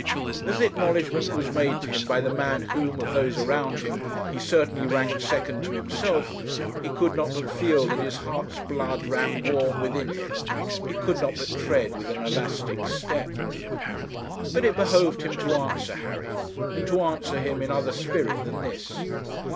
As the acknowledgement was made to him by the man whom, of those around him, he certainly ranked second to himself, he could not but feel that his heart's blood ran warm within him, he could not but tread with an elastic step. But it behoved him to answer Harry, and to answer him in other spirit than this.